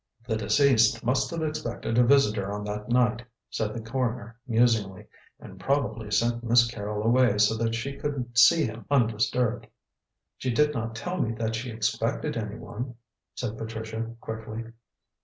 "The deceased must have expected a visitor on that night," said the coroner musingly, "and probably sent Miss Carrol away so that she could see him undisturbed." "She did not tell me that she expected anyone," said Patricia quickly.